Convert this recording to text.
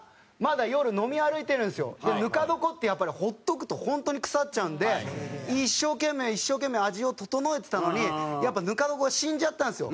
ぬか床ってやっぱり放っとくと本当に腐っちゃうんで一生懸命一生懸命味を調えてたのにやっぱぬか床が死んじゃったんですよ。